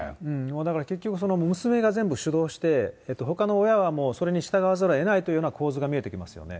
だから、結局、娘が全部主導して、ほかの親はそれに従わざるをえないという構図が見えてきますよね。